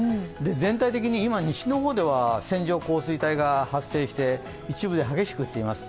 全体的に今、西の方では線状降水帯が発生して一部で激しく降っています。